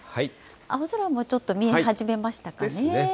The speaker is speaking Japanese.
青空もちょっと見え始めましたかですね。